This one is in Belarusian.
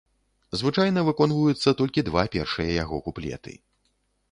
Звычайна выконваюцца толькі два першыя яго куплеты.